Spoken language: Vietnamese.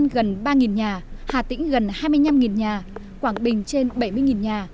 gần ba nhà hà tĩnh gần hai mươi năm nhà quảng bình trên bảy mươi nhà